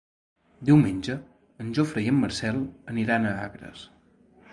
Diumenge en Jofre i en Marcel aniran a Agres.